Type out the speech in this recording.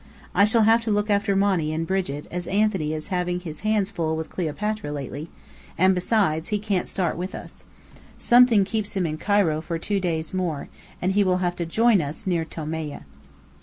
I shall have to look after Monny and Brigit, as Anthony is having his hands full with Cleopatra lately, and, besides, he can't start with us. Something keeps him in Cairo for two days more, and he will have to join us near Tomieh.